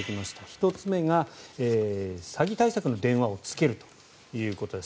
１つ目が、詐欺対策の電話をつけるということです。